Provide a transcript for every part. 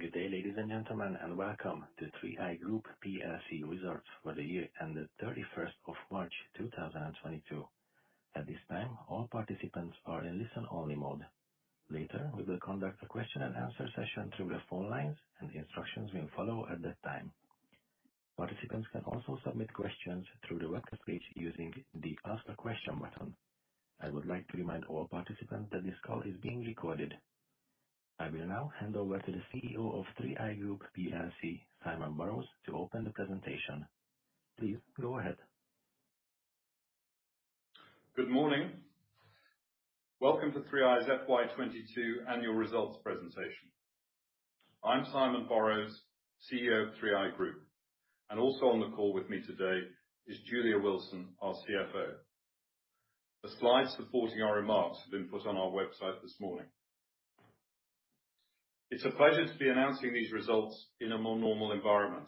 Good day, ladies and gentlemen, and welcome to 3i Group plc results for the year ended 31st of March 2022. At this time, all participants are in listen-only mode. Later, we will conduct a question and answer session through the phone lines, and instructions will follow at that time. Participants can also submit questions through the webcast page using the Ask a Question button. I would like to remind all participants that this call is being recorded. I will now hand over to the CEO of 3i Group plc, Simon Borrows, to open the presentation. Please go ahead. Good morning. Welcome to 3i's FY 2022 annual results presentation. I'm Simon Borrows, CEO of 3i Group, and also on the call with me today is Julia Wilson, our CFO. The slides supporting our remarks have been put on our website this morning. It's a pleasure to be announcing these results in a more normal environment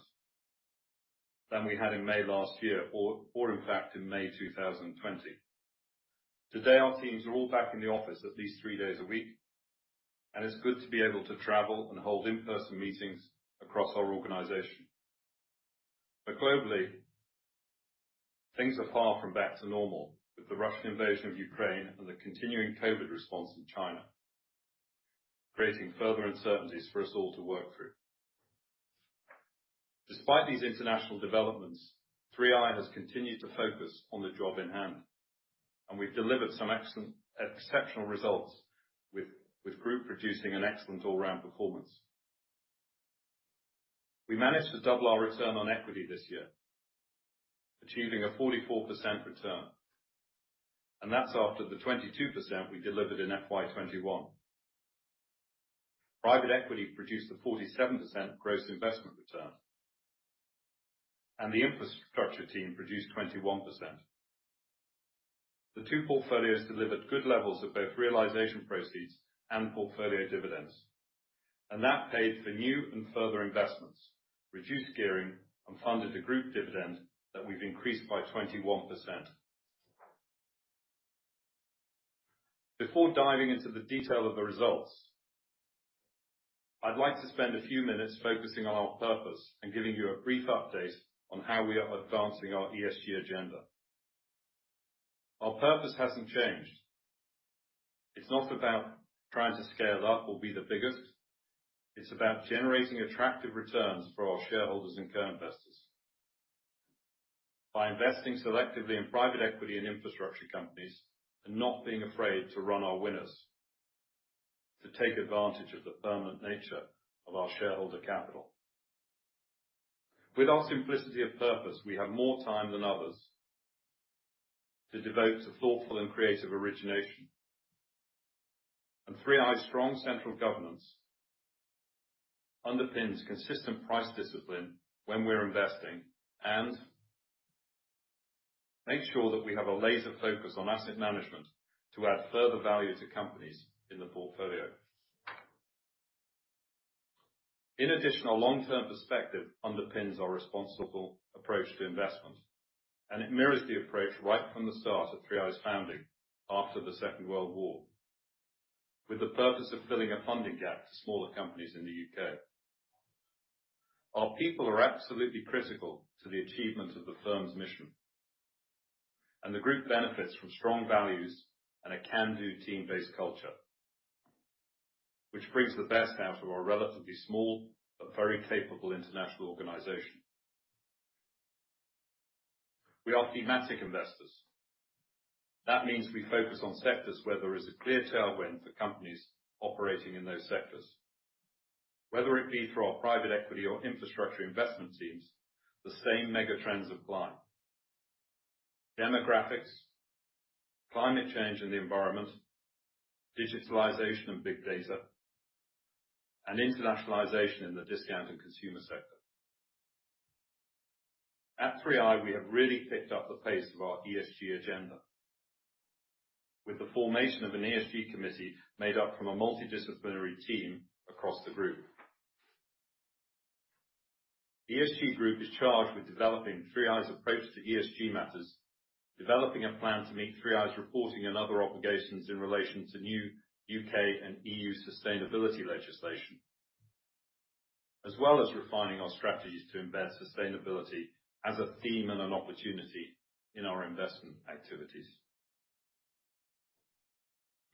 than we had in May last year or in fact in May 2020. Today, our teams are all back in the office at least three days a week, and it's good to be able to travel and hold in-person meetings across our organization. Globally, things are far from back to normal, with the Russian invasion of Ukraine and the continuing COVID response in China, creating further uncertainties for us all to work through. Despite these international developments, 3i has continued to focus on the job in hand, and we've delivered some excellent exceptional results with group producing an excellent all-round performance. We managed to double our return on equity this year, achieving a 44% return, and that's after the 22% we delivered in FY 2021. Private equity produced a 47% gross investment return, and the infrastructure team produced 21%. The two portfolios delivered good levels of both realization proceeds and portfolio dividends, and that paid for new and further investments, reduced gearing, and funded a group dividend that we've increased by 21%. Before diving into the detail of the results, I'd like to spend a few minutes focusing on our purpose and giving you a brief update on how we are advancing our ESG agenda. Our purpose hasn't changed. It's not about trying to scale up or be the biggest. It's about generating attractive returns for our shareholders and co-investors by investing selectively in private equity and infrastructure companies and not being afraid to run our winners to take advantage of the permanent nature of our shareholder capital. With our simplicity of purpose, we have more time than others to devote to thoughtful and creative origination. 3i's strong central governance underpins consistent price discipline when we're investing and makes sure that we have a laser focus on asset management to add further value to companies in the portfolio. In addition, our long-term perspective underpins our responsible approach to investment, and it mirrors the approach right from the start of 3i's founding after the Second World War, with the purpose of filling a funding gap to smaller companies in the U.K. Our people are absolutely critical to the achievement of the firm's mission, and the group benefits from strong values and a can-do team-based culture, which brings the best out of our relatively small but very capable international organization. We are thematic investors. That means we focus on sectors where there is a clear tailwind for companies operating in those sectors. Whether it be through our private equity or infrastructure investment teams, the same mega trends apply. Demographics, climate change and the environment, digitalization and big data, and internationalization in the discount and consumer sector. At 3i, we have really picked up the pace of our ESG agenda with the formation of an ESG committee made up from a multidisciplinary team across the group. The ESG group is charged with developing 3i's approach to ESG matters, developing a plan to meet 3i's reporting and other obligations in relation to new UK and EU sustainability legislation, as well as refining our strategies to embed sustainability as a theme and an opportunity in our investment activities.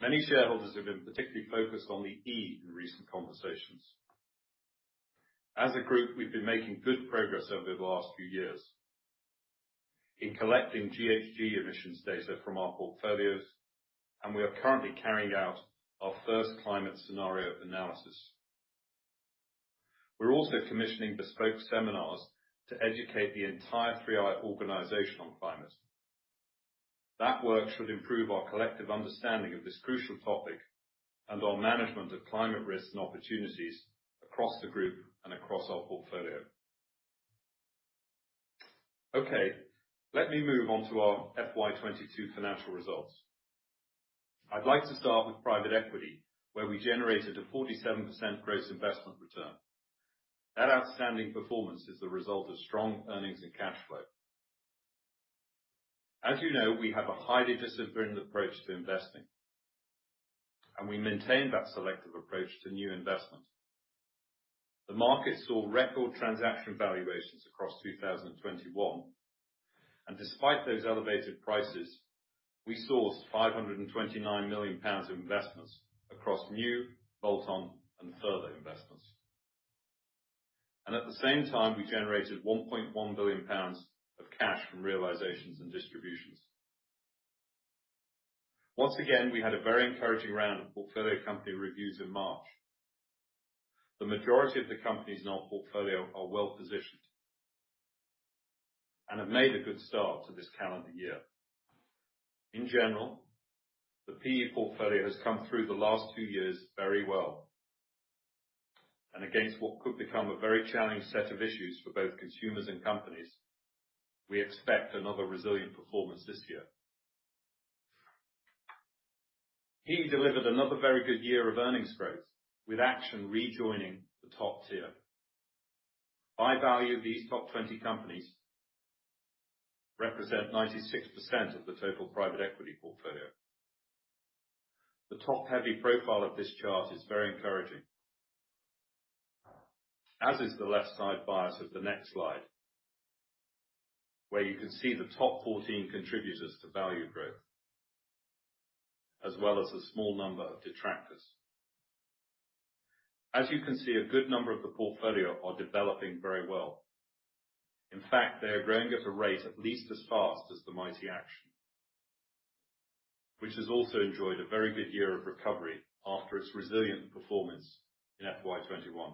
Many shareholders have been particularly focused on the E in recent conversations. As a group, we've been making good progress over the last few years in collecting GHG emissions data from our portfolios, and we are currently carrying out our first climate scenario analysis. We're also commissioning bespoke seminars to educate the entire 3i organization on climate. That work should improve our collective understanding of this crucial topic and our management of climate risks and opportunities across the group and across our portfolio. Okay, let me move on to our FY 2022 financial results. I'd like to start with private equity, where we generated a 47% gross investment return. That outstanding performance is the result of strong earnings and cash flow. As you know, we have a highly disciplined approach to investing, and we maintain that selective approach to new investment. The market saw record transaction valuations across 2021, and despite those elevated prices, we sourced 529 million pounds of investments across new, bolt-on and further investments. At the same time, we generated 1.1 billion pounds of cash from realizations and distributions. Once again, we had a very encouraging round of portfolio company reviews in March. The majority of the companies in our portfolio are well positioned and have made a good start to this calendar year. In general, the PE portfolio has come through the last two years very well. Against what could become a very challenging set of issues for both consumers and companies, we expect another resilient performance this year. He delivered another very good year of earnings growth, with Action rejoining the top tier. By value, these top 20 companies represent 96% of the total private equity portfolio. The top-heavy profile of this chart is very encouraging, as is the left side bias of the next slide, where you can see the top 14 contributors to value growth as well as a small number of detractors. As you can see, a good number of the portfolio are developing very well. In fact, they are growing at a rate at least as fast as the mighty Action, which has also enjoyed a very good year of recovery after its resilient performance in FY 2021.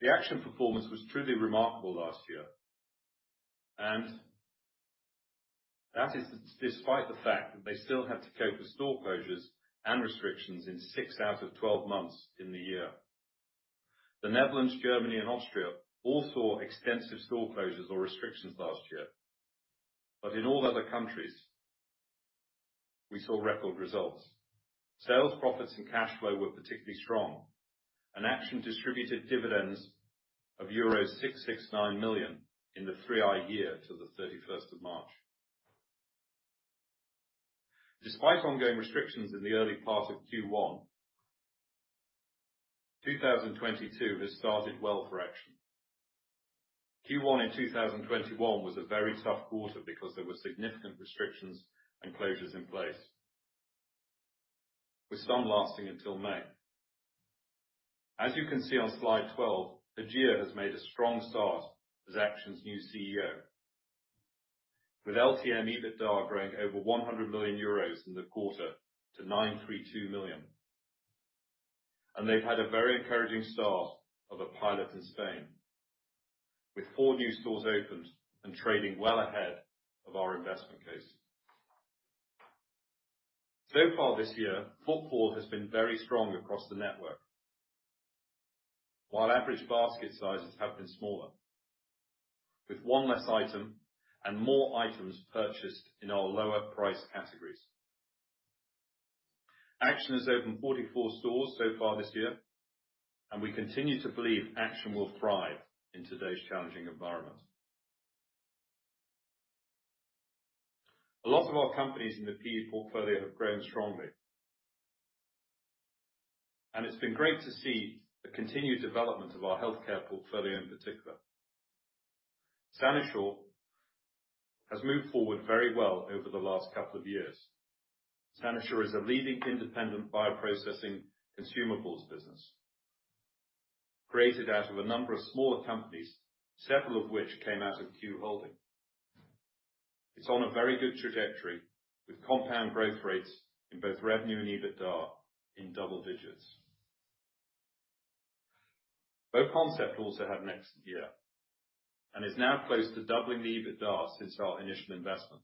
The Action performance was truly remarkable last year, and that is despite the fact that they still had to cope with store closures and restrictions in six out of 12 months in the year. The Netherlands, Germany and Austria all saw extensive store closures or restrictions last year. In all other countries, we saw record results. Sales, profits and cash flow were particularly strong. Action distributed dividends of euro 669 million in the 3i year till the 31st of March. Despite ongoing restrictions in the early part of Q1, 2022 has started well for Action. Q1 in 2021 was a very tough quarter because there were significant restrictions and closures in place, with some lasting until May. As you can see on slide 12, Hajir has made a strong start as Action's new CEO, with LTM EBITDA growing over 100 million euros in the quarter to 932 million. They've had a very encouraging start of a pilot in Spain, with four new stores opened and trading well ahead of our investment case. So far this year, footfall has been very strong across the network. While average basket sizes have been smaller, with one less item and more items purchased in our lower price categories. Action has opened 44 stores so far this year, and we continue to believe Action will thrive in today's challenging environment. A lot of our companies in the PE portfolio have grown strongly. It's been great to see the continued development of our healthcare portfolio in particular. SaniSure has moved forward very well over the last couple of years. SaniSure is a leading independent bioprocessing consumables business, created out of a number of smaller companies, several of which came out of Q Holding. It's on a very good trajectory with compound growth rates in both revenue and EBITDA in double digits. BoConcept also had an excellent year and is now close to doubling the EBITDA since our initial investment.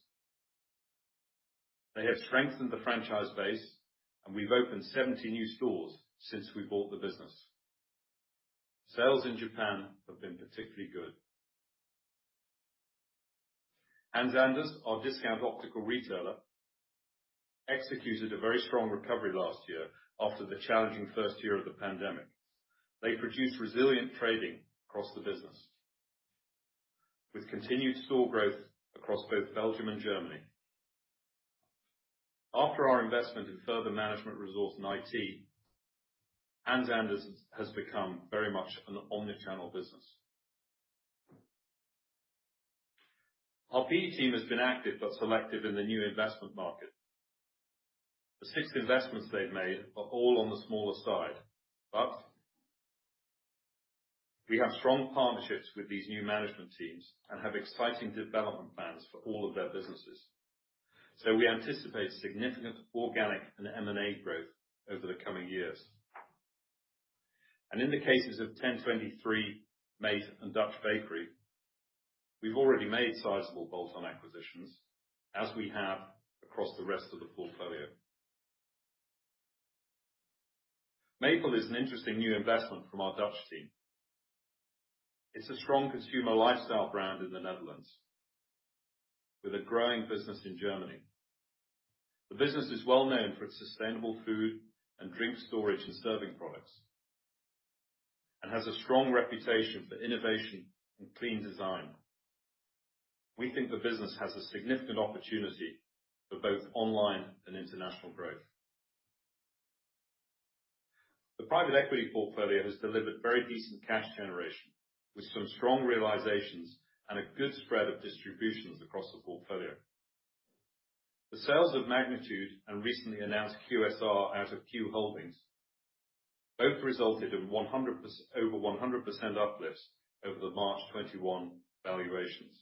They have strengthened the franchise base, and we've opened 70 new stores since we bought the business. Sales in Japan have been particularly good. Hans Anders, our discount optical retailer, executed a very strong recovery last year after the challenging first year of the pandemic. They produced resilient trading across the business, with continued store growth across both Belgium and Germany. After our investment in further management resource in IT, Hans Anders has become very much an omnichannel business. Our PE team has been active but selective in the new investment market. The six investments they've made are all on the smaller side. We have strong partnerships with these new management teams and have exciting development plans for all of their businesses. We anticipate significant organic and M&A growth over the coming years. In the cases of ten23 health and Dutch Bakery, we've already made sizable bolt-on acquisitions as we have across the rest of the portfolio. Mepal is an interesting new investment from our Dutch team. It's a strong consumer lifestyle brand in the Netherlands with a growing business in Germany. The business is well known for its sustainable food and drink storage and serving products and has a strong reputation for innovation and clean design. We think the business has a significant opportunity for both online and international growth. The private equity portfolio has delivered very decent cash generation with some strong realizations and a good spread of distributions across the portfolio. The sales of Magnitude and recently announced QSR out of Q Holding both resulted in over 100% uplifts over the March 2021 valuations.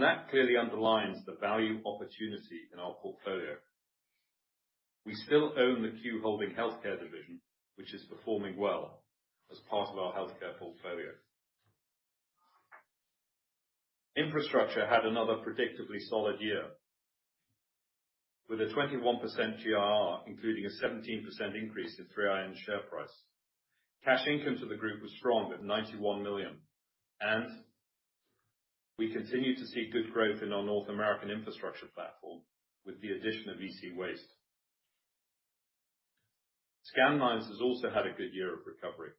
That clearly underlines the value opportunity in our portfolio. We still own the Q Holding Healthcare division, which is performing well as part of our healthcare portfolio. Infrastructure had another predictably solid year with a 21% GIR, including a 17% increase in 3i share price. Cash income to the group was strong at 91 million, and we continue to see good growth in our North American infrastructure platform with the addition of EC Waste. Scandlines has also had a good year of recovery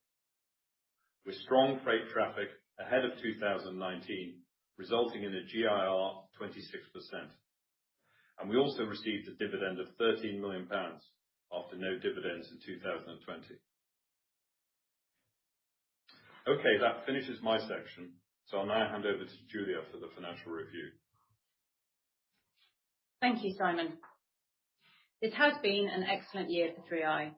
with strong freight traffic ahead of 2019, resulting in a GIR of 26%. We also received a dividend of 13 million pounds after no dividends in 2020. Okay, that finishes my section, so I'll now hand over to Julia for the financial review. Thank you, Simon. It has been an excellent year for 3i.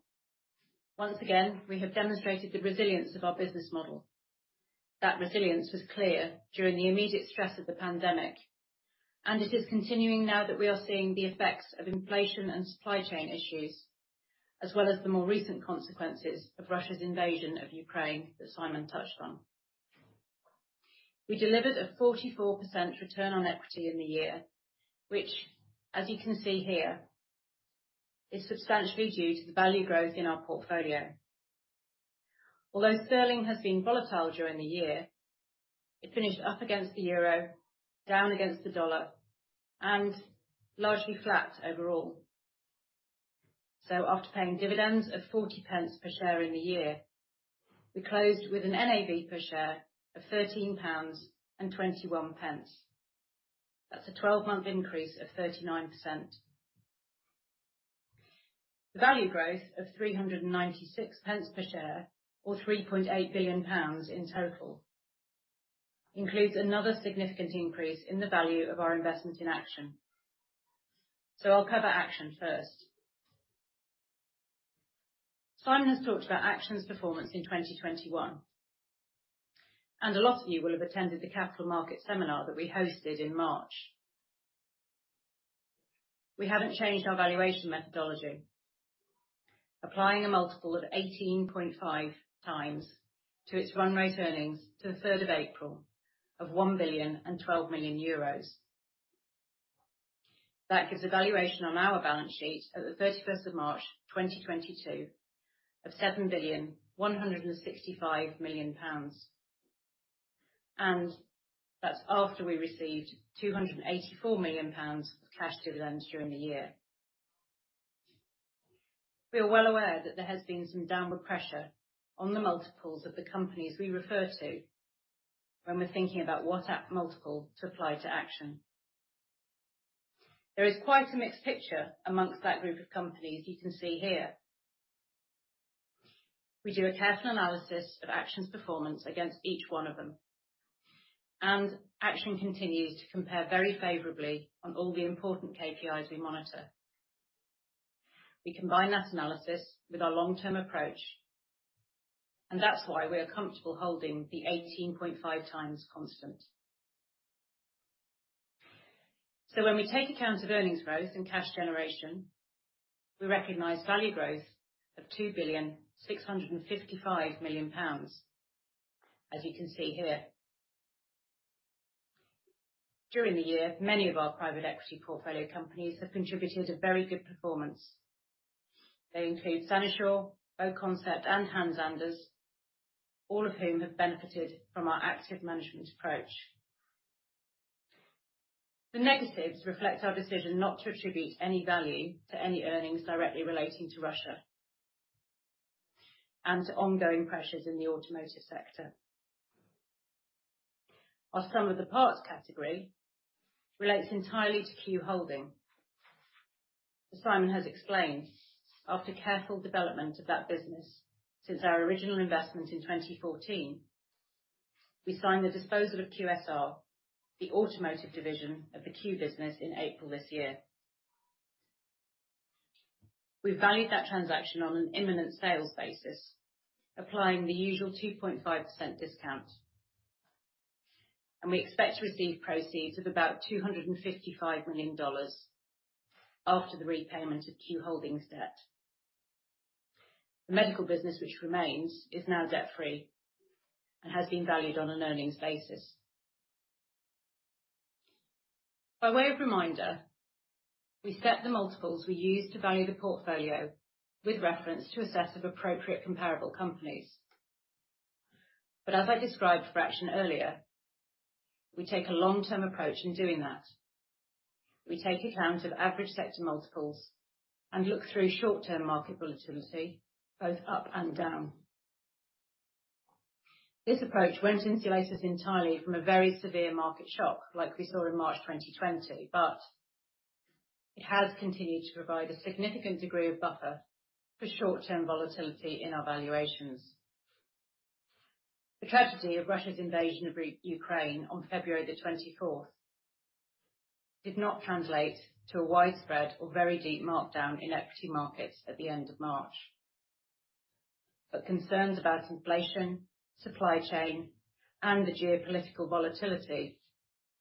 Once again, we have demonstrated the resilience of our business model. That resilience was clear during the immediate stress of the pandemic, and it is continuing now that we are seeing the effects of inflation and supply chain issues, as well as the more recent consequences of Russia's invasion of Ukraine that Simon touched on. We delivered a 44% return on equity in the year, which as you can see here, is substantially due to the value growth in our portfolio. Although sterling has been volatile during the year, it finished up against the euro, down against the dollar, and largely flat overall. After paying dividends of 0.40 per share in the year, we closed with an NAV per share of 13.21 pounds. That's a 12-month increase of 39%. The value growth of 396 pence per share or 3.8 billion pounds in total includes another significant increase in the value of our investments in Action. I'll cover Action first. Simon has talked about Action's performance in 2021, and a lot of you will have attended the capital market seminar that we hosted in March. We haven't changed our valuation methodology. Applying a multiple of 18.5x to its run-rate earnings to 3rd of April of 1,012 million euros. That gives a valuation on our balance sheet at 31 March 2022 of 7,165 million pounds, and that's after we received 284 million pounds of cash dividends during the year. We are well aware that there has been some downward pressure on the multiples of the companies we refer to when we're thinking about what multiple to apply to Action. There is quite a mixed picture amongst that group of companies you can see here. We do a careful analysis of Action's performance against each one of them, and Action continues to compare very favorably on all the important KPIs we monitor. We combine that analysis with our long-term approach, and that's why we are comfortable holding the 18.5x constant. When we take account of earnings growth and cash generation, we recognize value growth of 2.655 billion, as you can see here. During the year, many of our private equity portfolio companies have contributed a very good performance. They include SaniSure, BoConcept, and Hans Anders, all of whom have benefited from our active management approach. The negatives reflect our decision not to attribute any value to any earnings directly relating to Russia and ongoing pressures in the automotive sector. Some of the parts category relates entirely to Q Holding. Simon has explained, after careful development of that business since our original investment in 2014, we signed the disposal of QSR, the automotive division of the Q business in April this year. We valued that transaction on an enterprise value basis, applying the usual 2.5% discount, and we expect to receive proceeds of about $255 million after the repayment of Q Holding's debt. The medical business, which remains, is now debt-free and has been valued on an earnings basis. By way of reminder, we set the multiples we use to value the portfolio with reference to a set of appropriate comparable companies. As I described for Action earlier, we take a long-term approach in doing that. We take account of average sector multiples and look through short-term market volatility, both up and down. This approach won't insulate us entirely from a very severe market shock like we saw in March 2020, but it has continued to provide a significant degree of buffer for short-term volatility in our valuations. The tragedy of Russia's invasion of Ukraine on February 24th did not translate to a widespread or very deep markdown in equity markets at the end of March. Concerns about inflation, supply chain, and the geopolitical volatility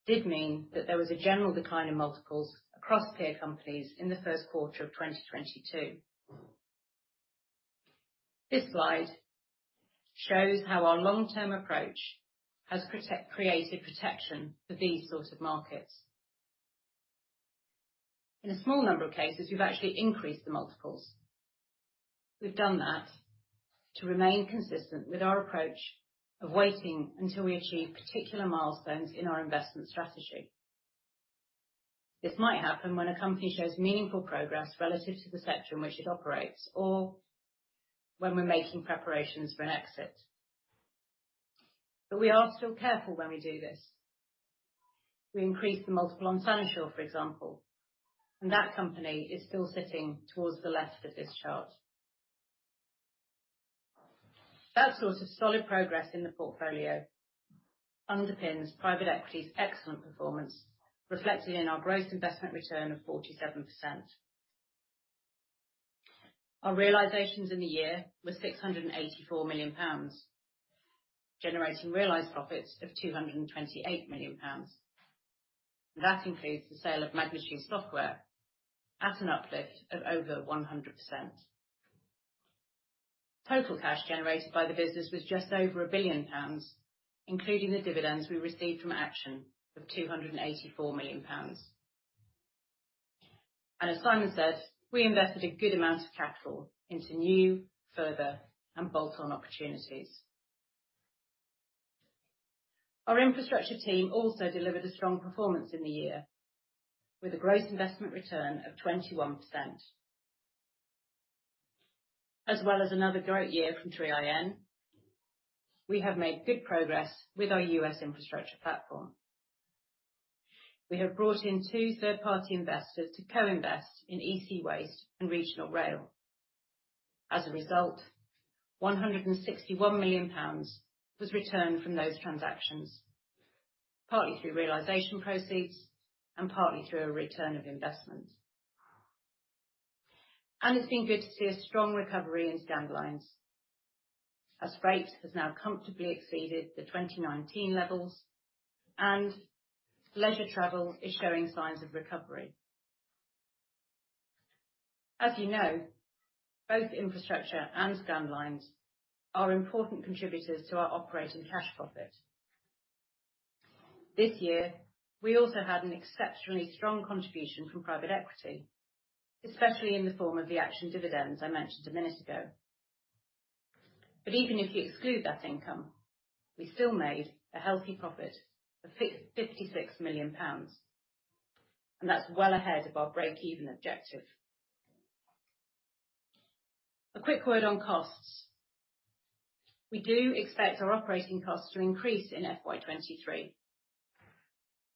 did mean that there was a general decline in multiples across peer companies in the first quarter of 2022. This slide shows how our long-term approach has created protection for these sort of markets. In a small number of cases, we've actually increased the multiples. We've done that to remain consistent with our approach of waiting until we achieve particular milestones in our investment strategy. This might happen when a company shows meaningful progress relative to the sector in which it operates, or when we're making preparations for an exit. We are still careful when we do this. We increased the multiple on SaniSure, for example, and that company is still sitting towards the left of this chart. That sort of solid progress in the portfolio underpins private equity's excellent performance, reflected in our gross investment return of 47%. Our realizations in the year were 684 million pounds, generating realized profits of 228 million pounds. That includes the sale of Magnitude Software at an uplift of over 100%. Total cash generated by the business was just over 1 billion pounds, including the dividends we received from Action of 284 million pounds. As Simon says, we invested a good amount of capital into new, further, and bolt-on opportunities. Our infrastructure team also delivered a strong performance in the year with a gross investment return of 21%. As well as another great year from 3iN, we have made good progress with our U.S. infrastructure platform. We have brought in two third-party investors to co-invest in EC Waste and Regional Rail. As a result, 161 million pounds was returned from those transactions, partly through realization proceeds and partly through a return of investment. It's been good to see a strong recovery in Scandlines as rate has now comfortably exceeded the 2019 levels, and leisure travel is showing signs of recovery. As you know, both infrastructure and Scandlines are important contributors to our operating cash profit. This year, we also had an exceptionally strong contribution from private equity, especially in the form of the Action dividends I mentioned a minute ago. Even if you exclude that income, we still made a healthy profit of 56 million pounds, and that's well ahead of our break-even objective. A quick word on costs. We do expect our operating costs to increase in FY 2023.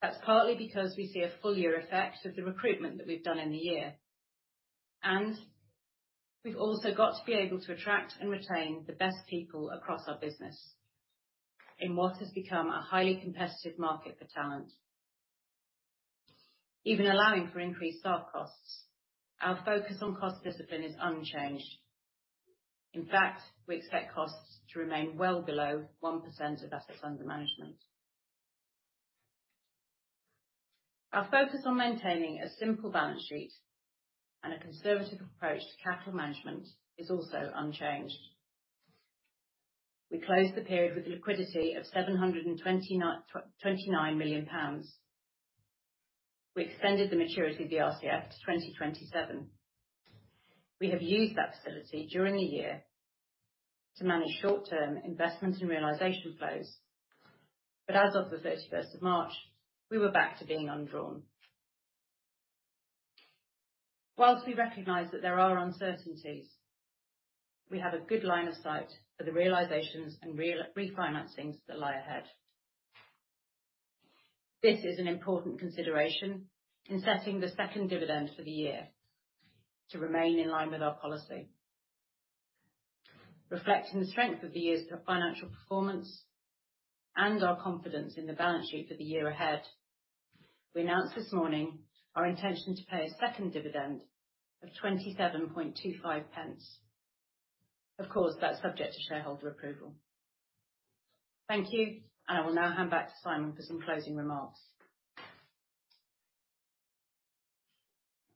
That's partly because we see a full year effect of the recruitment that we've done in the year, and we've also got to be able to attract and retain the best people across our business in what has become a highly competitive market for talent. Even allowing for increased staff costs, our focus on cost discipline is unchanged. In fact, we expect costs to remain well below 1% of assets under management. Our focus on maintaining a simple balance sheet and a conservative approach to capital management is also unchanged. We closed the period with liquidity of 729 million pounds. We extended the maturity of the RCF to 2027. We have used that facility during the year to manage short-term investment and realization flows. As of the 31st of March, we were back to being undrawn. While we recognize that there are uncertainties, we have a good line of sight for the realizations and refinancings that lie ahead. This is an important consideration in setting the second dividend for the year to remain in line with our policy. Reflecting the strength of the year's financial performance and our confidence in the balance sheet for the year ahead, we announced this morning our intention to pay a second dividend of 0.2725. Of course, that's subject to shareholder approval. Thank you, and I will now hand back to Simon for some closing remarks.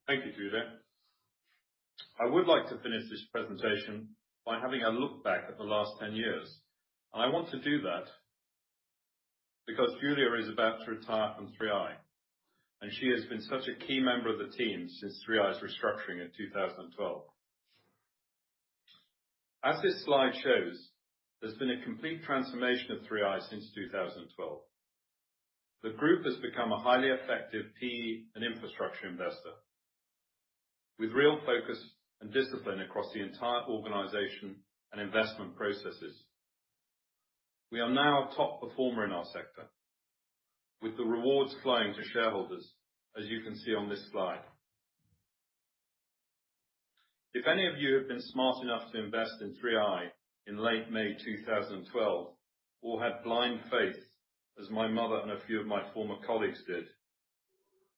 Thank you, Julia. I would like to finish this presentation by having a look back at the last 10 years. I want to do that. Because Julia is about to retire from 3i, and she has been such a key member of the team since 3i's restructuring in 2012. As this slide shows, there's been a complete transformation of 3i since 2012. The group has become a highly effective PE and infrastructure investor with real focus and discipline across the entire organization and investment processes. We are now a top performer in our sector, with the rewards flowing to shareholders, as you can see on this slide. If any of you have been smart enough to invest in 3i in late May 2012, or had blind faith, as my mother and a few of my former colleagues did,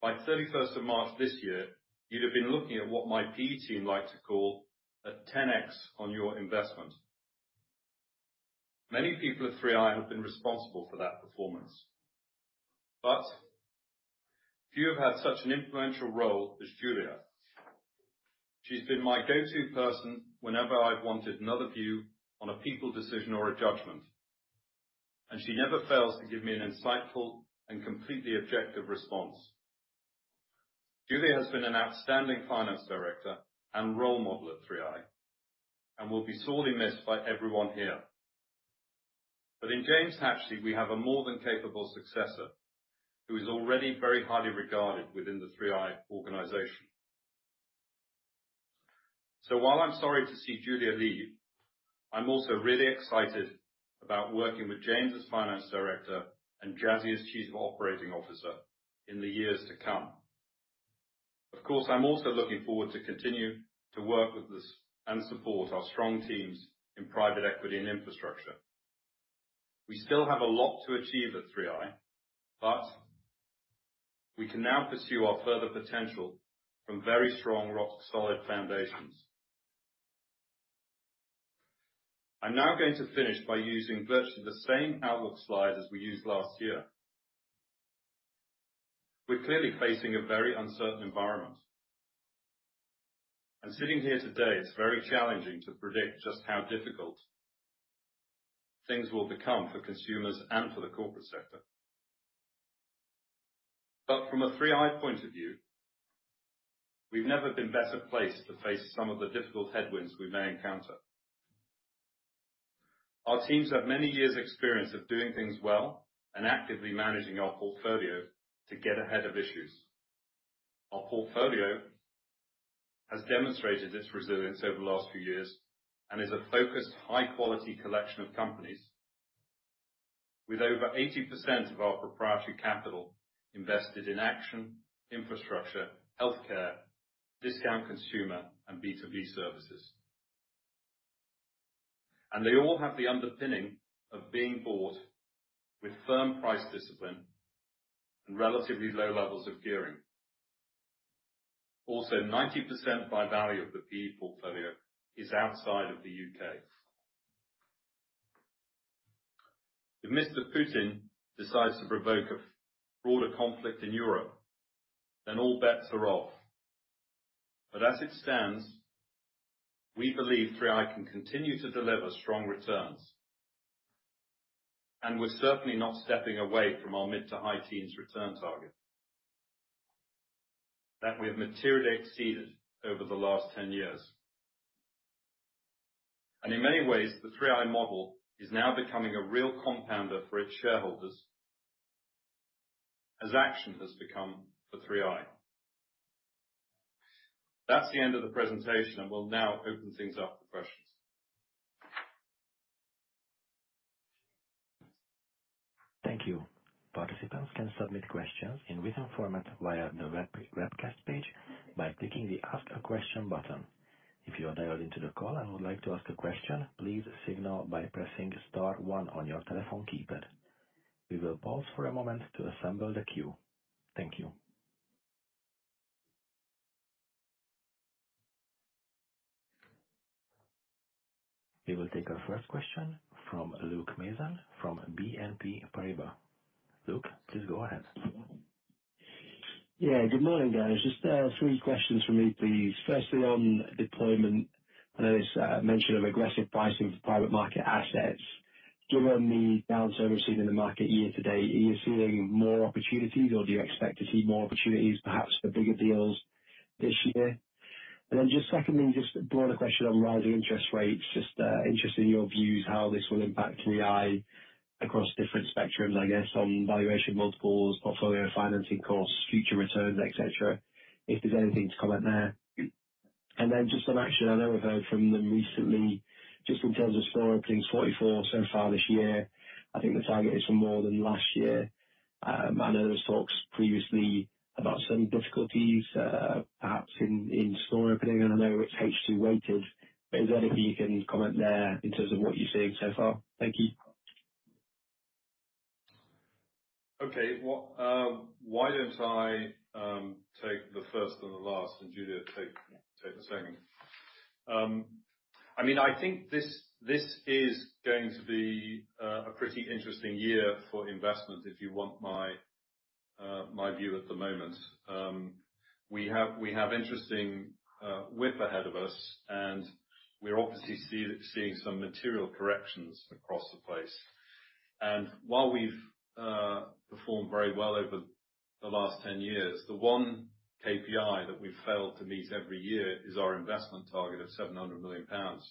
by 31st of March this year, you'd have been looking at what my PE team like to call a 10X on your investment. Many people at 3i have been responsible for that performance, but few have had such an influential role as Julia. She's been my go-to person whenever I've wanted another view on a people decision or a judgment, and she never fails to give me an insightful and completely objective response. Julia has been an outstanding Finance Director and role model at 3i and will be sorely missed by everyone here. In James Hatch, we have a more than capable successor who is already very highly regarded within the 3i organization. While I'm sorry to see Julia leave, I'm also really excited about working with James as Finance Director and Jasi as Chief Operating Officer in the years to come. Of course, I'm also looking forward to continue to work with this and support our strong teams in private equity and infrastructure. We still have a lot to achieve at 3i, but we can now pursue our further potential from very strong, rock solid foundations. I'm now going to finish by using virtually the same outlook slide as we used last year. We're clearly facing a very uncertain environment. Sitting here today, it's very challenging to predict just how difficult things will become for consumers and for the corporate sector. From a 3i point of view, we've never been better placed to face some of the difficult headwinds we may encounter. Our teams have many years' experience of doing things well and actively managing our portfolio to get ahead of issues. Our portfolio has demonstrated its resilience over the last few years and is a focused, high-quality collection of companies with over 80% of our proprietary capital invested in Action, infrastructure, healthcare, discount consumer, and B2B services. They all have the underpinning of being bought with firm price discipline and relatively low levels of gearing. Also, 90% by value of the PE portfolio is outside of the UK. If Mr. Putin decides to provoke a broader conflict in Europe, then all bets are off. As it stands, we believe 3i can continue to deliver strong returns. We're certainly not stepping away from our mid- to high-teens return target that we have materially exceeded over the last 10 years. In many ways, the 3i model is now becoming a real compounder for its shareholders as Action has become for 3i. That's the end of the presentation. We'll now open things up for questions. Thank you. Participants can submit questions in written format via the webcast page by clicking the Ask a Question button. If you are dialed into the call and would like to ask a question, please signal by pressing star one on your telephone keypad. We will pause for a moment to assemble the queue. Thank you. We will take our first question from Luke Mason from BNP Paribas. Luke, please go ahead. Yeah. Good morning, guys. Just three questions from me, please. Firstly, on deployment, I know it's mention of aggressive pricing for private market assets. Given the downturn we've seen in the market year to date, are you seeing more opportunities, or do you expect to see more opportunities, perhaps for bigger deals this year? Just secondly, just a broader question on rising interest rates. Just interested in your views how this will impact 3i across different spectrums, I guess on valuation multiples, portfolio financing costs, future returns, et cetera. If there's anything to comment there. Just on Action, I know I've heard from them recently, just in terms of store openings, 44 so far this year. I think the target is for more than last year. I know there was talks previously about some difficulties, perhaps in store opening, and I know it's H2 weighted, but is there anything you can comment there in terms of what you're seeing so far? Thank you. Okay. Well, why don't I take the first and the last, and Julia take the second. I mean, I think this is going to be a pretty interesting year for investment if you want my view at the moment, we have interesting weather ahead of us, and we're obviously seeing some material corrections across the place. While we've performed very well over the last 10 years, the one KPI that we've failed to meet every year is our investment target of 700 million pounds.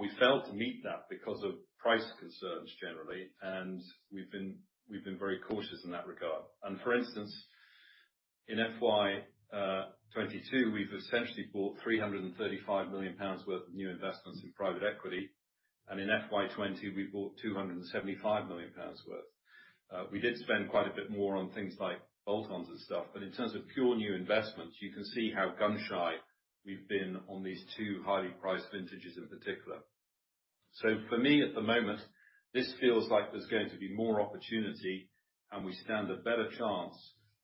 We failed to meet that because of price concerns, generally, and we've been very cautious in that regard. For instance, in FY 2022, we've essentially bought 335 million pounds worth of new investments in private equity. In FY 2020, we bought 275 million pounds worth. We did spend quite a bit more on things like bolt-ons and stuff, but in terms of pure new investments, you can see how gun-shy we've been on these two highly prized vintages in particular. For me, at the moment, this feels like there's going to be more opportunity, and we stand a better chance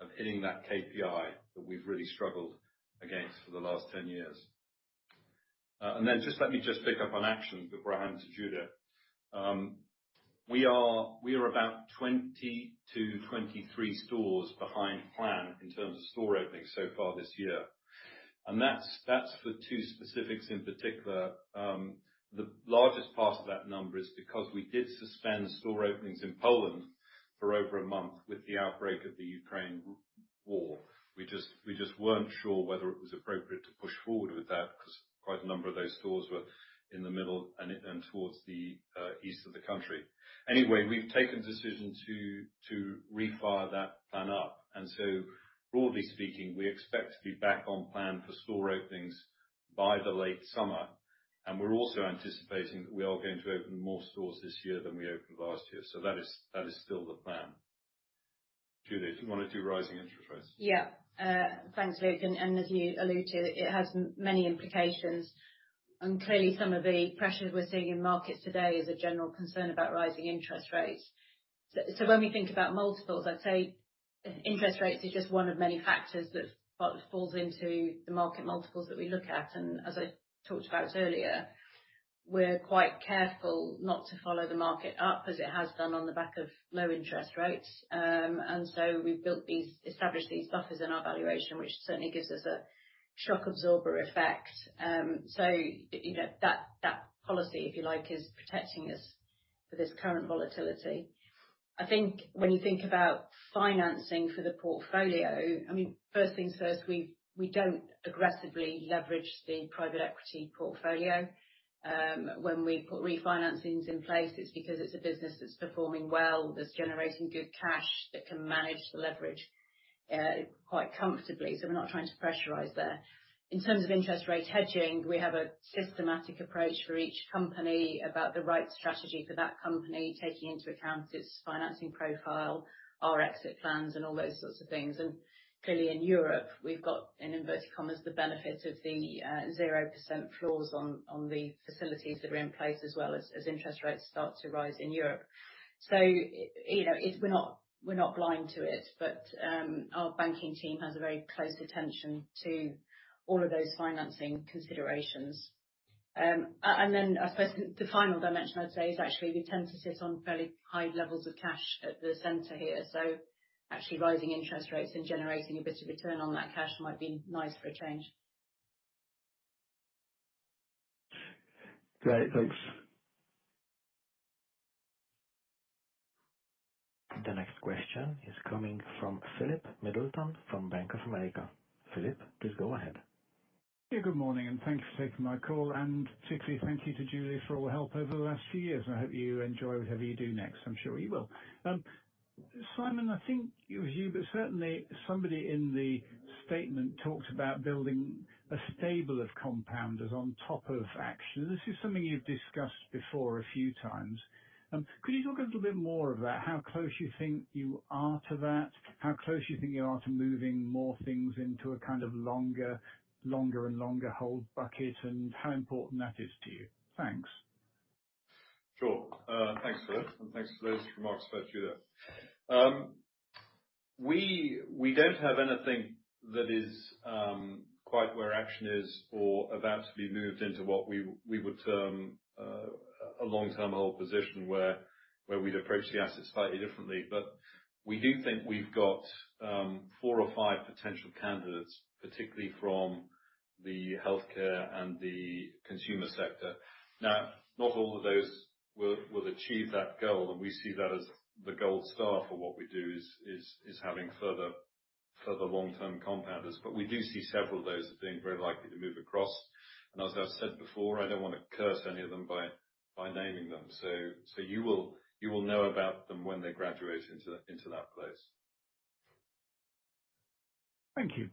of hitting that KPI that we've really struggled against for the last 10 years. Let me pick up on Action before I hand to Julia. We are about 20-23 stores behind plan in terms of store openings so far this year. That's for two specifics in particular. The largest part of that number is because we did suspend store openings in Poland for over a month with the outbreak of the Ukraine war. We just weren't sure whether it was appropriate to push forward with that 'cause quite a number of those stores were in the middle and towards the east of the country. Anyway, we've taken decisions to refire that plan up, and so broadly speaking, we expect to be back on plan for store openings by the late summer. We're also anticipating that we are going to open more stores this year than we opened last year. That is still the plan. Julia, if you wanna do rising interest rates. Yeah. Thanks, Luke. As you alluded, it has many implications. Clearly some of the pressures we're seeing in markets today is a general concern about rising interest rates. When we think about multiples, I'd say interest rates is just one of many factors that falls into the market multiples that we look at. As I talked about earlier, we're quite careful not to follow the market up as it has done on the back of low interest rates. We've built these established buffers in our valuation, which certainly gives us a shock absorber effect. You know, that policy, if you like, is protecting us for this current volatility. I think when you think about financing for the portfolio, first things first, we don't aggressively leverage the private equity portfolio. When we put refinancings in place, it's because it's a business that's performing well, that's generating good cash that can manage the leverage quite comfortably. We're not trying to pressurize there. In terms of interest rate hedging, we have a systematic approach for each company about the right strategy for that company, taking into account its financing profile, our exit plans, and all those sorts of things. Clearly, in Europe, we've got, in inverted commas, the benefit of the zero percent floors on the facilities that are in place, as well as interest rates start to rise in Europe. You know, we're not blind to it, but our banking team has a very close attention to all of those financing considerations. I suppose the final dimension I'd say is actually we tend to sit on fairly high levels of cash at the center here. Actually, rising interest rates and generating a bit of return on that cash might be nice for a change. Great. Thanks. The next question is coming from Philip Middleton from Bank of America. Philip, please go ahead. Yeah, good morning, and thanks for taking my call. Particularly thank you to Julia for all the help over the last few years. I hope you enjoy whatever you do next. I'm sure you will. Simon, I think it was you, but certainly somebody in the statement talked about building a stable of compounders on top of Action. This is something you've discussed before a few times. Could you talk a little bit more of that, how close you think you are to that, how close you think you are to moving more things into a kind of longer and longer hold bucket, and how important that is to you? Thanks. Sure. Thanks, Philip. Thanks for those remarks about Julia. We don't have anything that is quite where Action is or about to be moved into what we would term a long-term hold position where we'd approach the assets slightly differently. We do think we've got four or five potential candidates, particularly from the healthcare and the consumer sector. Now, not all of those will achieve that goal, and we see that as the gold star for what we do is having further long-term compounders. We do see several of those as being very likely to move across. As I've said before, I don't wanna curse any of them by naming them. You will know about them when they graduate into that place. Thank you.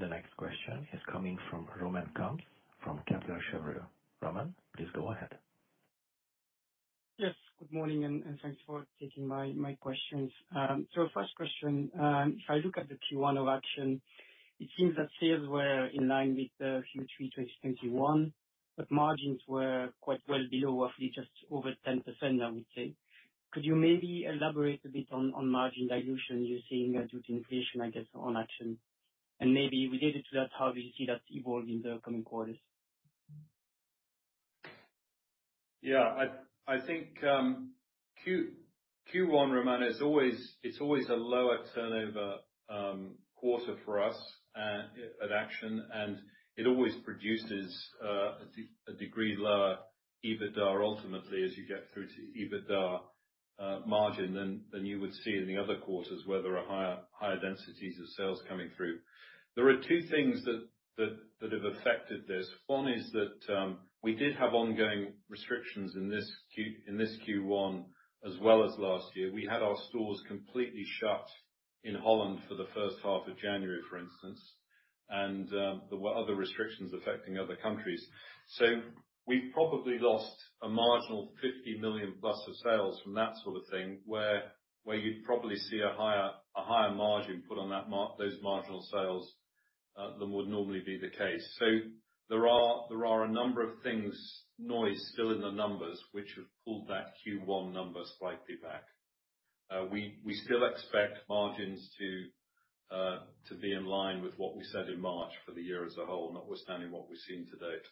The next question is coming from Romain Kumps from Kepler Cheuvreux. Romain, please go ahead. Yes, good morning, and thanks for taking my questions. First question, if I look at the Q1 of Action, it seems that sales were in line with the Q3 2021, but margins were quite well below, roughly just over 10%, I would say. Could you maybe elaborate a bit on margin dilution you're seeing due to inflation, I guess, on Action? Maybe related to that, how do you see that evolving in the coming quarters? Yeah, I think Q1, Romain, is always a lower turnover quarter for us at Action, and it always produces a degree lower EBITDA, ultimately, as you get through to EBITDA margin than you would see in the other quarters where there are higher densities of sales coming through. There are two things that have affected this. One is that we did have ongoing restrictions in this Q1, as well as last year. We had our stores completely shut in Holland for the first half of January, for instance. There were other restrictions affecting other countries. We probably lost a marginal 50 million plus of sales from that sort of thing, where you'd probably see a higher margin put on those marginal sales than would normally be the case. There are a number of things, noise still in the numbers, which have pulled that Q1 number slightly back. We still expect margins to be in line with what we said in March for the year as a whole, notwithstanding what we've seen to date.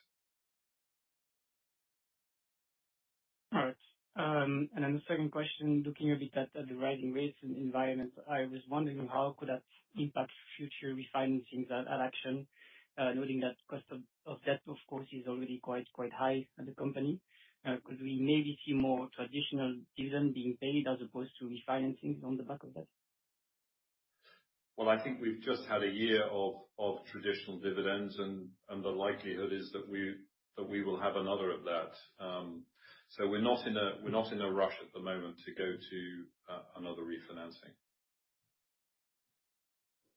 All right. The second question, looking a bit at the rising rates and environment, I was wondering how could that impact future refinancings at Action, noting that cost of debt, of course, is already quite high at the company. Could we maybe see more traditional dividend being paid as opposed to refinancing on the back of that? Well, I think we've just had a year of traditional dividends, and the likelihood is that we will have another of that. We're not in a rush at the moment to go to another refinancing.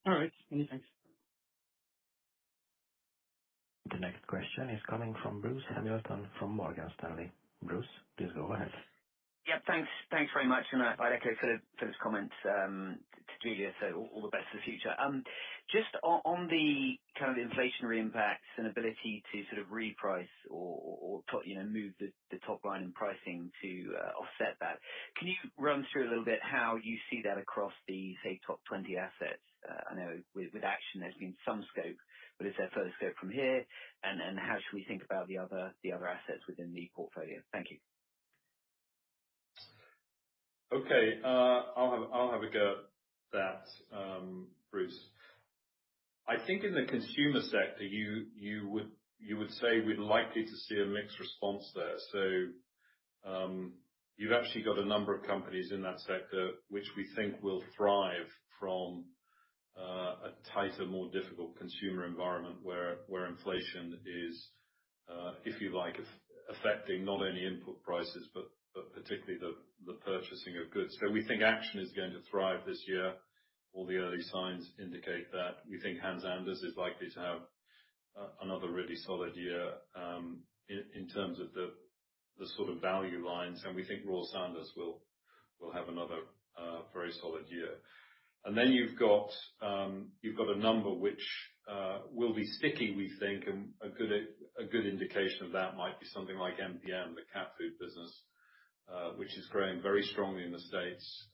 All right. Amazing. The next question is coming from Bruce Hamilton from Morgan Stanley. Bruce, please go ahead. Yeah, thanks. Thanks very much. I'd echo Philip's comments to Julia, so all the best for the future. Just on the kind of inflationary impacts and ability to sort of reprice or you know move the top line in pricing to offset that, can you run through a little bit how you see that across the say top 20 assets? I know with Action, there's been some scope, but is there further scope from here? How should we think about the other assets within the portfolio? Thank you. Okay. I'll have a go at that, Bruce. I think in the consumer sector, you would say we're likely to see a mixed response there. You've actually got a number of companies in that sector, which we think will thrive from a tighter, more difficult consumer environment, where inflation is, if you like, affecting not only input prices, but particularly the purchasing of goods. We think Action is going to thrive this year. All the early signs indicate that. We think Hans Anders is likely to have another really solid year, in terms of the sort of value lines, and we think Royal Sanders will have another very solid year. Then you've got a number which will be sticky, we think. A good indication of that might be something like MPM, the cat food business, which is growing very strongly in the States.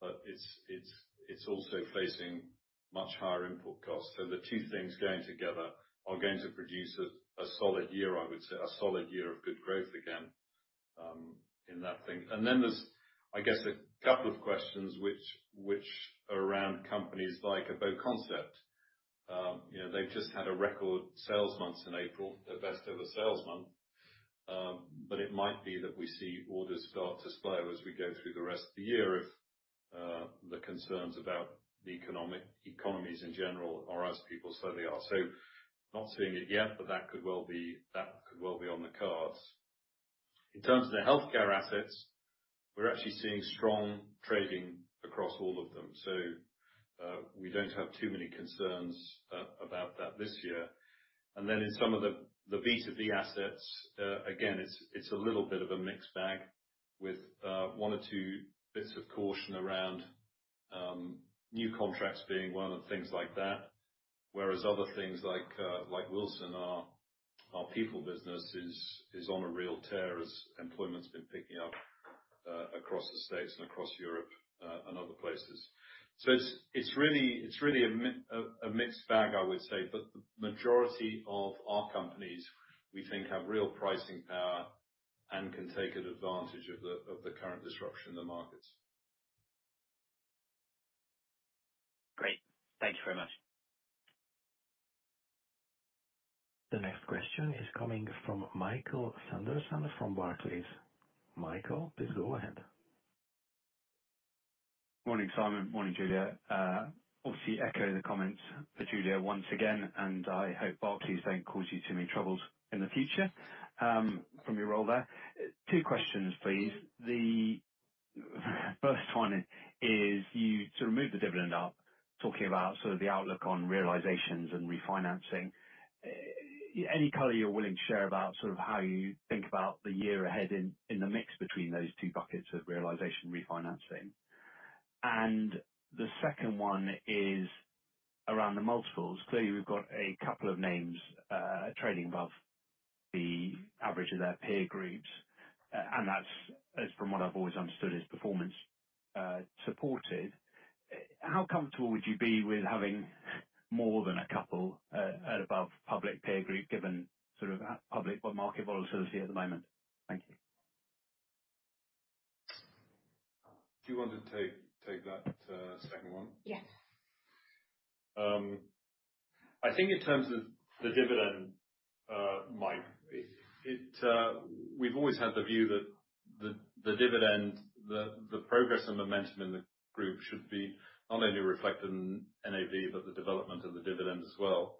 But it's also facing much higher input costs. So the two things going together are going to produce a solid year, I would say, a solid year of good growth again, in that thing. Then there's, I guess, a couple of questions which are around companies like BoConcept. You know, they've just had a record sales month in April, their best ever sales month. But it might be that we see orders start to slow as we go through the rest of the year if the concerns about the economies in general or as people slowly are. Not seeing it yet, but that could well be on the cards. In terms of the healthcare assets, we're actually seeing strong trading across all of them. We don't have too many concerns about that this year. Then in some of the breadth of the assets, it's a little bit of a mixed bag with one or two bits of caution around new contracts being one of the things like that. Whereas other things like WilsonHCG, our people business is on a real tear as employment's been picking up across the States and across Europe and other places. It's really a mixed bag, I would say, but the majority of our companies, we think, have real pricing power and can take advantage of the current disruption in the markets. Great. Thank you very much. The next question is coming from Michael Sanderson from Barclays. Michael, please go ahead. Morning, Simon. Morning, Julia. Obviously echo the comments for Julia once again, and I hope Barclays don't cause you too many troubles in the future, from your role there. Two questions, please. The first one is, you sort of moved the dividend up, talking about sort of the outlook on realizations and refinancing. Any color you're willing to share about sort of how you think about the year ahead in the mix between those two buckets of realization refinancing? The second one is around the multiples. Clearly, we've got a couple of names trading above the average of their peer groups, and that's, as from what I've always understood, is performance supported. How comfortable would you be with having more than a couple above public peer group given sort of public or market volatility at the moment? Thank you. Do you want to take that second one? Yes. I think in terms of the dividend, Mike. We've always had the view that the dividend, the progress and momentum in the group should be not only reflected in NAV, but the development of the dividend as well.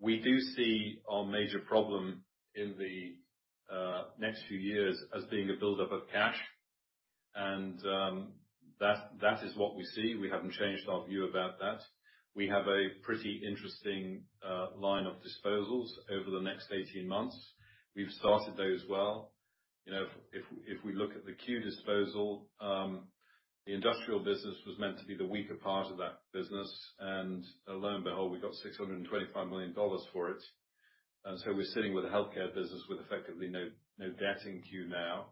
We do see our major problem in the next few years as being a buildup of cash and that is what we see. We haven't changed our view about that. We have a pretty interesting line of disposals over the next 18 months. We've started those well. You know, if we look at the Q Holding disposal, the industrial business was meant to be the weaker part of that business and lo and behold, we got $625 million for it. We're sitting with the healthcare business with effectively no debt in Q now.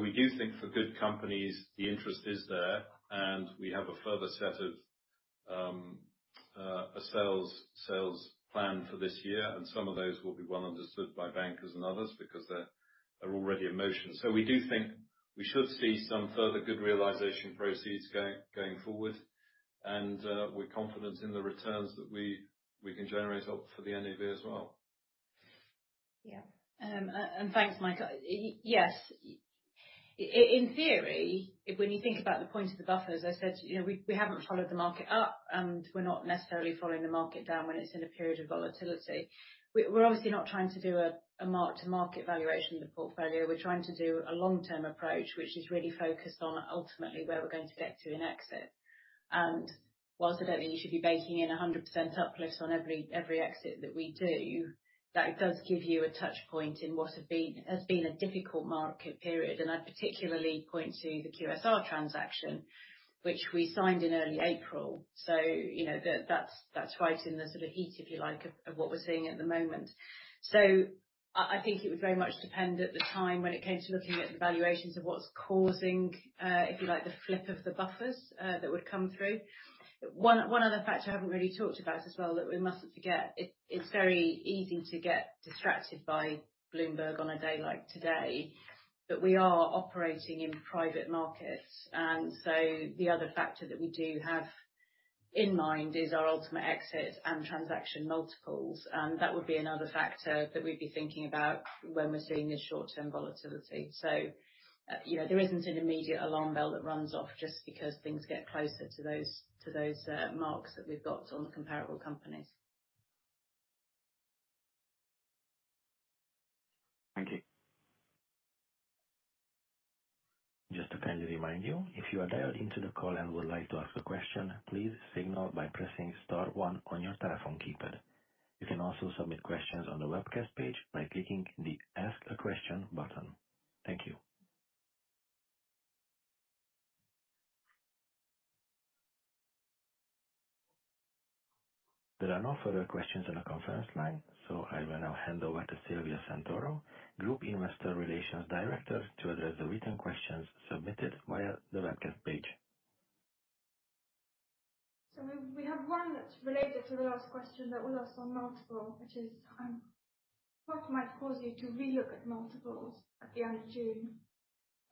We do think for good companies, the interest is there, and we have a further set of a sales plan for this year. Some of those will be well understood by bankers and others because they're already in motion. We do think we should see some further good realization proceeds going forward. We're confident in the returns that we can generate out for the NAV as well. Yeah. Thanks, Mike. Yes. In theory, when you think about the point of the buffers, I said, we haven't followed the market up, and we're not necessarily following the market down when it's in a period of volatility. We're obviously not trying to do a mark-to-market valuation of the portfolio. We're trying to do a long-term approach, which is really focused on ultimately where we're going to get to in exit. Whilst I don't think you should be baking in a 100% uplift on every exit that we do, that does give you a touch point in what has been a difficult market period. I'd particularly point to the QSR transaction, which we signed in early April. You know, that's right in the sort of heat, if you like, of what we're seeing at the moment. I think it would very much depend on the time when it came to looking at the valuations of what's causing, if you like, the flip of the buffers, that would come through. One other factor I haven't really talked about as well that we mustn't forget, it's very easy to get distracted by Bloomberg on a day like today. We are operating in private markets, and so the other factor that we do have in mind is our ultimate exit and transaction multiples. That would be another factor that we'd be thinking about when we're seeing this short-term volatility. You know, there isn't an immediate alarm bell that runs off just because things get closer to those marks that we've got on comparable companies. Thank you. Just to kindly remind you, if you are dialed into the call and would like to ask a question, please signal by pressing star one on your telephone keypad. You can also submit questions on the webcast page by clicking the Ask a Question button. Thank you. There are no further questions on the conference line, so I will now hand over to Silvia Santoro, Group Investor Relations Director, to address the written questions submitted via the webcast page. We have one that's related to the last question that was asked on multiples, which is, what might cause you to relook at multiples at the end of June?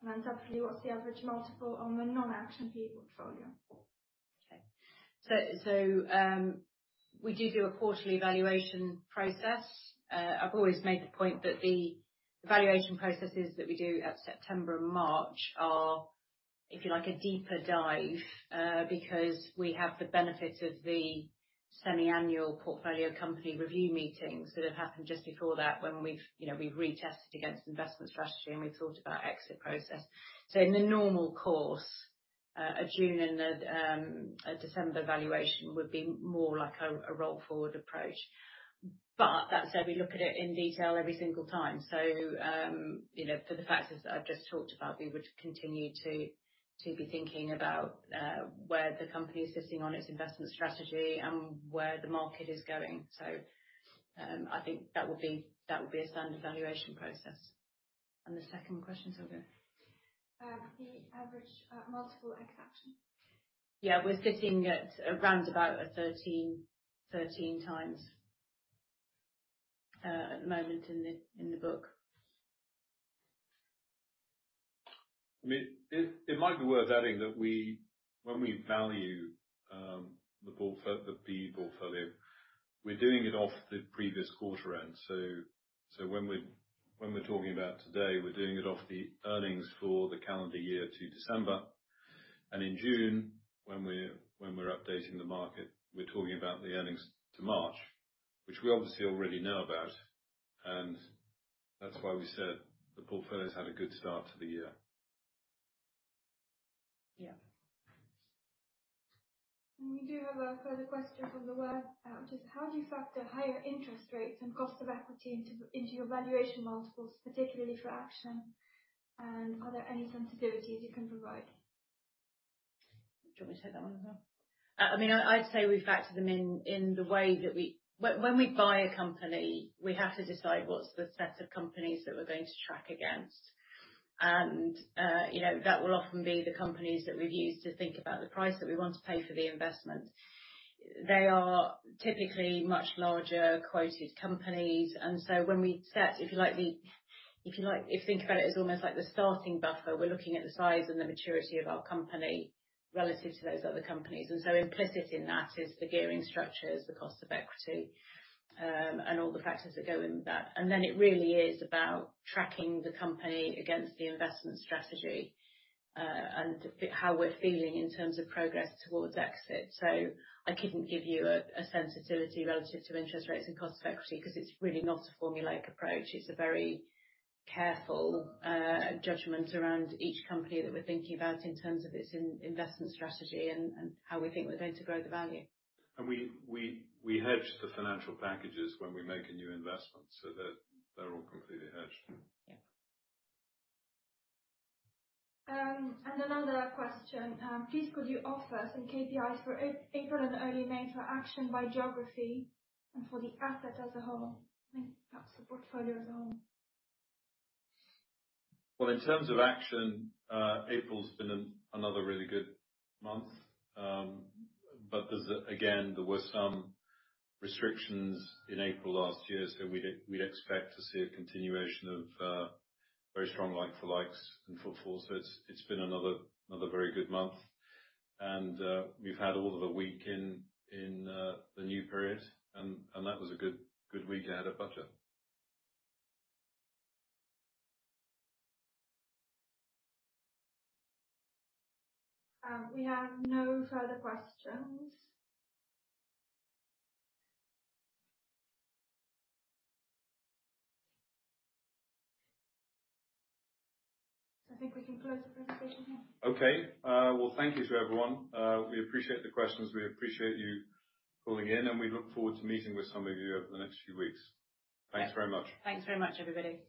And then secondly, what's the average multiple on the non-Action PE portfolio? So, we do a quarterly evaluation process. I've always made the point that the evaluation processes that we do at September and March are, if you like, a deeper dive, because we have the benefit of the semi-annual portfolio company review meetings that have happened just before that when we've retested against investment strategy, and we've talked about exit process. In the normal course, a June and a December valuation would be more like a roll forward approach. That said, we look at it in detail every single time. You know, for the factors that I've just talked about, we would continue to be thinking about where the company is sitting on its investment strategy and where the market is going. I think that would be a standard valuation process. The second question, Silvia? The average multiple ex Action. We're sitting at around about 13x at the moment in the book. I mean, it might be worth adding that we value the portfolio off the previous quarter end. When we're talking about today, we're doing it off the earnings for the calendar year to December. In June, when we're updating the market, we're talking about the earnings to March, which we obviously already know about. That's why we said the portfolio's had a good start to the year. Yeah. We do have a further question from the web, which is: How do you factor higher interest rates and cost of equity into your valuation multiples, particularly for Action? Are there any sensitivities you can provide? Do you want me to take that one as well? I mean, I'd say we factor them in in the way that we. When we buy a company, we have to decide what's the set of companies that we're going to track against. You know, that will often be the companies that we've used to think about the price that we want to pay for the investment. They are typically much larger quoted companies. When we set, if you like, if you think about it as almost like the starting buffer, we're looking at the size and the maturity of our company relative to those other companies. Implicit in that is the gearing structures, the cost of equity, and all the factors that go into that. It really is about tracking the company against the investment strategy, and how we're feeling in terms of progress towards exit. I couldn't give you a sensitivity relative to interest rates and cost of equity 'cause it's really not a formulaic approach. It's a very careful judgment around each company that we're thinking about in terms of its investment strategy and how we think we're going to grow the value. We hedge the financial packages when we make a new investment, so they're all completely hedged. Yeah. Another question. Please could you offer some KPIs for April and early May for Action by geography and for the asset as a whole, and perhaps the portfolio as a whole? Well, in terms of Action, April's been another really good month. There were again some restrictions in April last year, so we'd expect to see a continuation of very strong like-for-likes and footfalls. It's been another very good month. We've had all of a week in the new period, and that was a good week ahead of budget. I think we can close the presentation here. Okay. Well, thank you to everyone. We appreciate the questions. We appreciate you calling in, and we look forward to meeting with some of you over the next few weeks. Yeah. Thanks very much. Thanks very much, everybody.